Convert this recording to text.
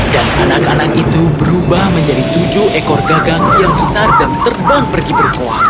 dan anak anak itu berubah menjadi tujuh ekor gagang yang besar dan terbang pergi berkuat